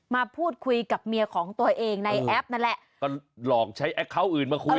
มาพูดคุยกับเมียของตัวเองในแอปนั่นแหละก็หลอกใช้แอคเคาน์อื่นมาคุย